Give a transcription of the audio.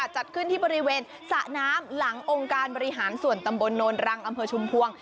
จัดขึ้นที่บริเวณสระน้ำหลังองค์การบริหารส่วนตำบลโนนรังอำเภอชุมพวง